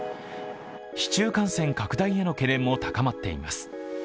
市中感染拡大への懸念も高まっています。